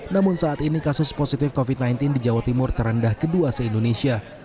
namun saat ini kasus positif covid sembilan belas di jawa timur terendah kedua se indonesia